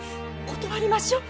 断りましょう。